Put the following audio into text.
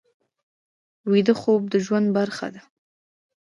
ویده خوب د ژوند برخه ده